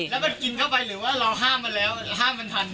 แล้วมันกินเข้าไปหรือว่าเราห้ามมาแล้วเราห้ามมันทัน